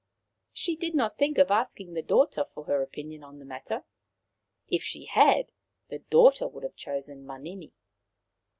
She did not think of asking the daughter for her opinion on the matter. If she had, the daughter would have chosen Manini.